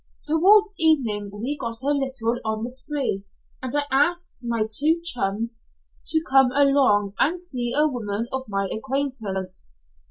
Towards evening we got a little on the spree, and I asked my two chums to come along and see a woman of my acquaintance.